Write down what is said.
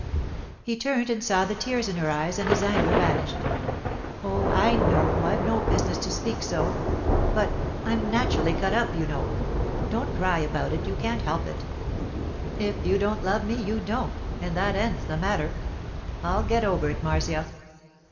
He turned and saw the tears in her eyes, and his anger vanished. 'Oh, I know. I've no business to speak so—but—I'm naturally cut up, you know. Don't cry about it; you can't help it. If you don't love me, you don't, and that ends the matter. I'll get over it, Marcia.